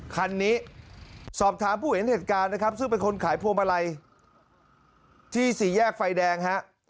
คันนี้สอบถามผู้เห็นเหตุการณ์นะครับซึ่งเป็นคนขายพวงมาลัยที่สี่แยกไฟแดงฮะ